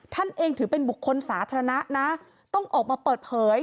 ท่านเองถือเป็นบุคคลสาธารณะนะต้องออกมาเปิดเผย